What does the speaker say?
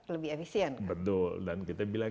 lebih efisien betul dan kita bilang